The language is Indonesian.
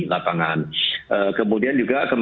lapangan kemudian juga